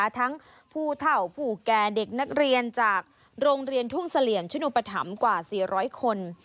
ทั้งผู้เท่าผู้แก่เด็กนักเรียนจากโรงเรียนทุ่งเสลี่ยมชนุปธรรมกว่า๔๐๐คน